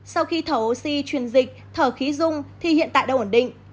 sau khi thở oxy truyền dịch thở khí dung thì hiện tại đang ổn định